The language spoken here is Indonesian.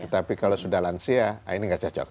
tetapi kalau sudah lansia nah ini gak cocok